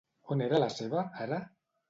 On era la seva ara?